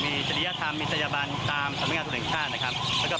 ในตัวเรามีความรู้สึกยังไงกับตัวเราเองบ้างครับ